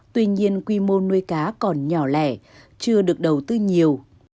tuy nhiên quy mô nuôi cá còn nhỏ lẻ chưa được đầu tư nhiều